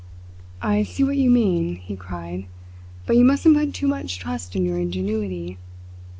"I see what you mean," he cried, "but you mustn't put too much trust in your ingenuity.